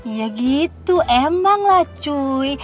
iya gitu emang lah cuy